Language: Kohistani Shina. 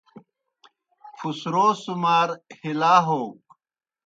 پُھسرو سُمار ہِلا ہوک